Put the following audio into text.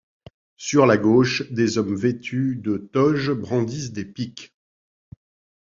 Sur la gauche, des hommes vêtus de toges brandissent des piques.